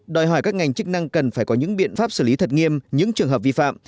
đòi hỏi các ngành chức năng cần phải có những biện pháp xử lý thật nghiêm những trường hợp vi phạm